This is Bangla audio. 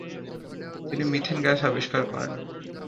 তিনি মিথেন গ্যাস আবিষ্কার করেন।